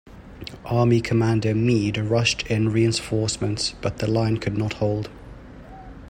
Army commander Meade rushed in reinforcements, but the line could not hold.